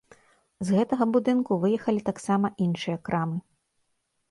З гэтага будынку выехалі таксама іншыя крамы.